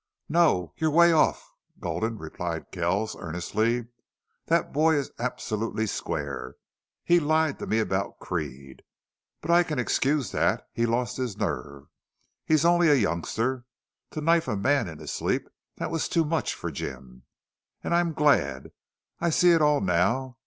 "No! You're way off, Gulden," replied Kells, earnestly. "That boy is absolutely square. He's lied to me about Creede. But I can excuse that. He lost his nerve. He's only a youngster. To knife a man in his sleep that was too much for Jim!... And I'm glad! I see it all now.